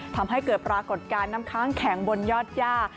ทำให้เกิดปรากฏการณ์น้ำค้างแข็งบนยอดย่า